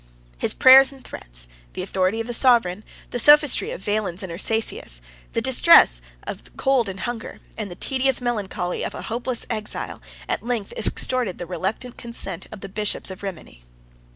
His prayers and threats, the authority of the sovereign, the sophistry of Valens and Ursacius, the distress of cold and hunger, and the tedious melancholy of a hopeless exile, at length extorted the reluctant consent of the bishops of Rimini.